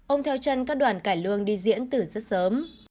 ông theo chân các đoàn cải lương đi diễn từ rất sớm